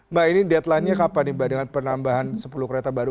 mbak ini deadlinenya kapan mbak dengan penambahan sepuluh kereta baru